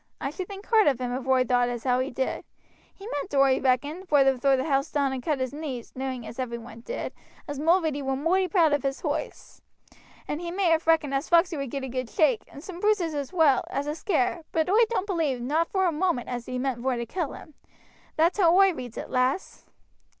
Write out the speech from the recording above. I should think hard of him if oi thowt as how he did. He meant, oi reckon, vor to throw his horse down and cut his knees, knowing, as every one did, as Mulready were moighty proud of his horse, and he may have reckoned as Foxey would git a good shake, and some bruises as well, as a scare, but oi doan't believe, not vor a moment, as he meant vor to kill him. That's how oi reads it, lass."